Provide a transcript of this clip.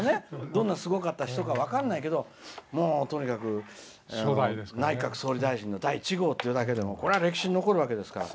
どんなすごい人だったか分からないけど、とにかく内閣総理大臣の第１号っていうだけでも歴史に残るんだから。